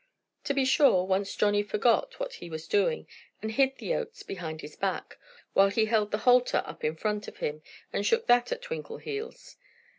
To be sure, once Johnnie forgot what he was doing and hid the oats behind his back, while he held the halter up in front of him and shook that at Twinkleheels.